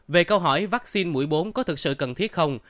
về câu hỏi vaccine mũi bốn có thực sự cần thiết không